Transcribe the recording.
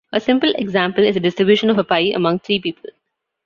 A simple example is the distribution of a pie among three people.